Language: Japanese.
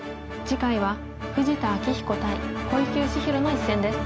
次回は富士田明彦対小池芳弘の一戦です。